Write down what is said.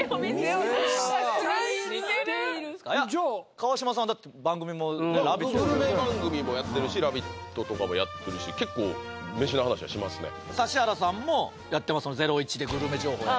川島さんだって番組も「ラヴィット！」でグルメ番組もやってるし「ラヴィット！」とかもやってるし結構飯の話はしますね指原さんもやってますよね